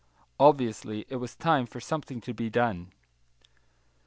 Obviously, it was time for something to be done.